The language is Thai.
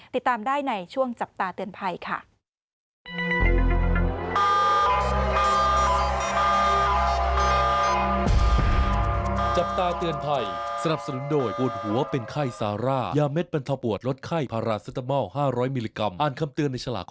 ติดตามได้ในช่วงจับตาเตือนภัยค่ะ